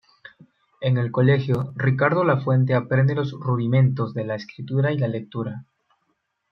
En el colegio, Ricardo Lafuente aprende los rudimentos de la escritura y la lectura.